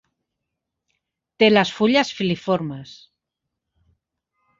Té les fulles filiformes.